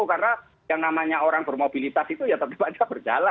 karena yang namanya orang bermobilitas itu ya tetap saja berjalan